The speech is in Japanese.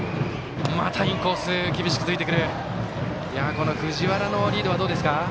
この藤原のリードはどうですか？